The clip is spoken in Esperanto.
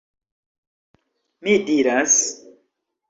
Mi diras..